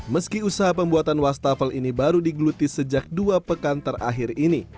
meski usaha pembuatan wastafel ini baru digeluti sejak dua pekan terakhir ini